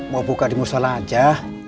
mau buka di musola aja